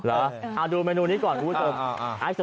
ดูเมนูนี้ก่อนคุณผู้ชม